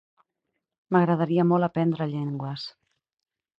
M'agradaria molt aprendre llengües.